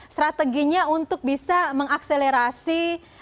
strateginya untuk bisa mengakselerasi